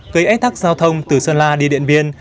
gây ách tắc giao thông từ sơn la đi điện biên